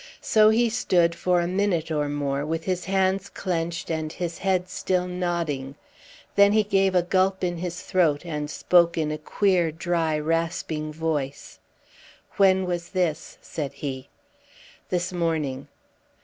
So he stood for a minute or more, with his hands clenched and his head still nodding. Then he gave a gulp in his throat, and spoke in a queer dry, rasping voice. "When was this?" said he. "This morning."